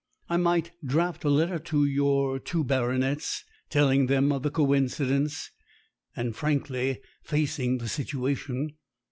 I might draft a letter to your two baronets, telling them of the coincidence, and frankly facing the situation.